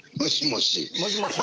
もしもし。